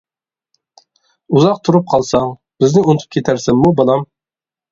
ئۇزاق تۇرۇپ قالساڭ، بىزنى ئۇنتۇپ كېتەرسەنمۇ، بالام؟ .